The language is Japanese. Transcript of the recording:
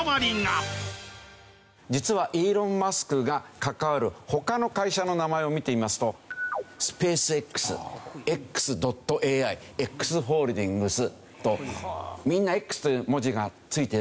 実はイーロン・マスクが関わる他の会社の名前を見てみますとスペースＸＸ．ＡＩＸホールディングスとみんな「Ｘ」という文字が付いているでしょ？